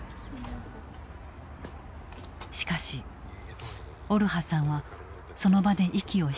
しかしオルハさんはその場で息を引き取った。